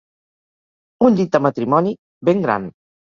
Un llit de matrimoni, ben gran.